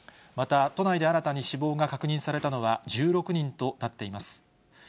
また、都内で新たに死亡が確認されたのは１６人となっています。